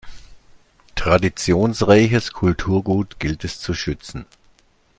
Traditionsreiches Kulturgut gilt es zu schützen.